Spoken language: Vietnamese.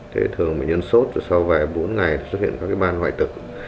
thế thường bệnh nhân sốt rồi sau vài bốn ngày xuất hiện các ban hoại tực